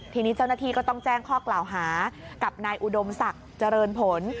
ทีนี้เจ้าหน้าที่ก็ต้องแจ้งข้อกล่าวหากับนายอุดมศักดิ์เจริญผล